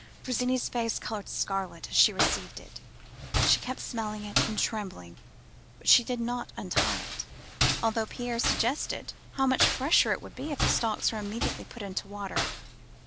Virginie's face coloured scarlet as she received it. She kept smelling at it, and trembling: but she did not untie it, although Pierre suggested how much fresher it would be if the stalks were immediately put into water.